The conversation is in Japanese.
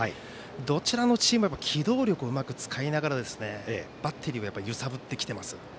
どちらのチームも機動力をうまく使いながらバッテリーを揺さぶってきています。